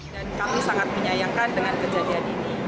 dan kami sangat menyayangkan dengan kejadian ini